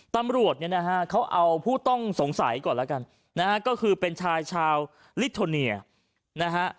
ตำรวจเนี่ยนะฮะเขาเอาผู้ต้องสงสัยก่อนแล้วกันนะฮะก็คือเป็นชายชาวลิโทเนียนะฮะ